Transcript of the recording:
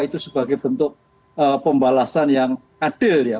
itu sebagai bentuk pembalasan yang adil ya